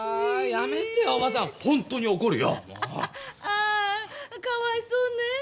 ああかわいそうね。